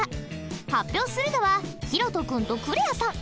発表するのはひろと君とクレアさん。